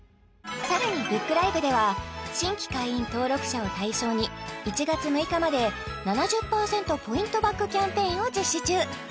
さらにＢｏｏｋＬｉｖｅ！では新規会員登録者を対象に１月６日まで７０％ポイントバックキャンペーンを実施中